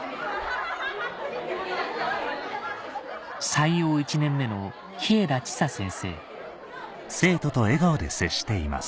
採用１年目の稗田千紗先生